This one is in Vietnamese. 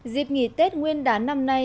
dịp nghỉ tết nguyên đán năm nay